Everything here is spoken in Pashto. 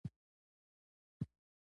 فلم د ذهن پراخوالي لامل کېږي